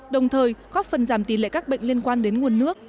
đồng thời góp phần giảm tỷ lệ các bệnh liên quan đến nguồn nước